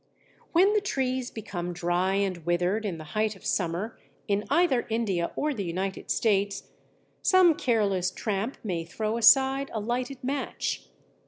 When the trees become dry and withered in the height of summer in either India or the United States, some careless tramp may throw aside a lighted match.